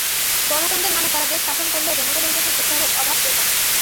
গণতন্ত্রের নামে তারা দেশ শাসন করলেও জনগণের প্রতি শ্রদ্ধাবোধের অভাব প্রকট।